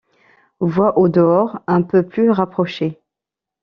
Voix au dehors, un peu plus rapprochées.